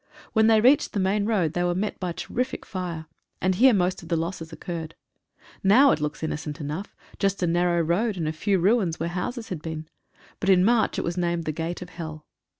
When they reached the main road they were met by a terrific fire, and here most of the losses occurred. Now it looks innocent enough — just a narrow road, and a few ruins where houses had been. But in March it was named the Gate of Hell.